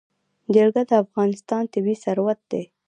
جلګه د افغانستان طبعي ثروت دی.